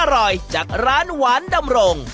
อร่อยจากร้านหวานดำรง